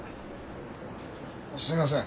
すみません。